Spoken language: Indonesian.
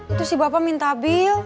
itu si bapak minta bil